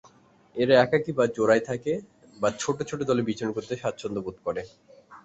এরা একাকী বা জোড়ায় থাকে বা ছোট ছোট দলে বিচরণ করতে স্বাচ্ছন্দ্যবোধ করে।।